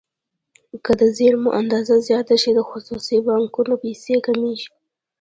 که د زېرمو اندازه زیاته شي د خصوصي بانکونو پیسې کمیږي.